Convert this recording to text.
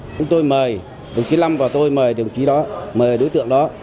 chúng tôi mời đồng chí năm và tôi mời đồng chí đó mời đối tượng đó